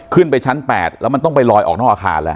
ขึ้นไปชั้น๘แล้วมันต้องไปลอยออกนอกอาคารแล้ว